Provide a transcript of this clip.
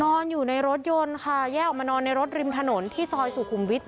นอนอยู่ในรถยนต์ค่ะแยกออกมานอนในรถริมถนนที่ซอยสุขุมวิทย